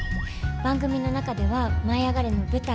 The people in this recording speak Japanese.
番組の中では「舞いあがれ！」の舞台